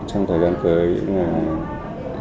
trong thời gian tới nghĩa là